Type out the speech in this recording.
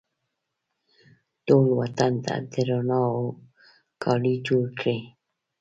ټول وطن ته د روڼاوو کالي جوړکړي